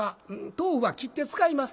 豆腐は切って使います。